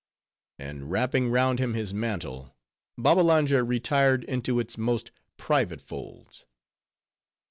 And wrapping round him his mantle, Babbalanja retired into its most private folds.